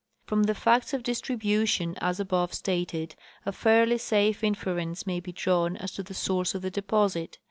From the facts of distribution, as above stated, a fairly safe inference may be drawn as to the source of the deposit.